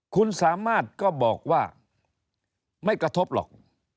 คุณสามารถก็บอกว่าไม่กระทบหรอก